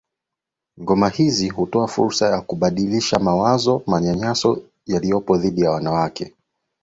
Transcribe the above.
Ngoma hizi hutowa fursa ya kubadilisha mawazo manyanyaso yaliyopo dhidi ya wanawake